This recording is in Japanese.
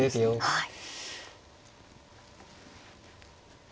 はい。